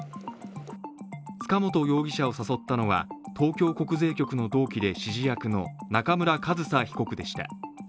塚本容疑者を誘ったのは東京国税局の同期で指示役の中村上総被告でした。